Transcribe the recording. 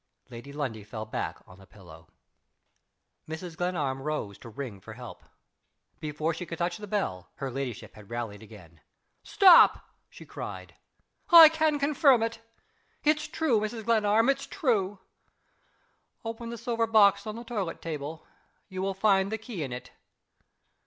Lady Lundie fell back on the pillow. Mrs. Glenarm rose to ring for help. Before she could touch the bell, her ladyship had rallied again. "Stop!" she cried. "I can confirm it! It's true, Mrs. Glenarm! it's true! Open the silver box on the toilet table you will find the key in it.